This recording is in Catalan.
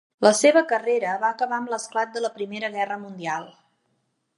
La seva carrera va acabar amb l'esclat de la Primera Guerra Mundial.